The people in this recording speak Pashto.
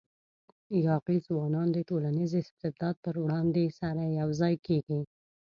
یاغي ځوانان د ټولنیز استبداد پر وړاندې سره یو ځای کېږي.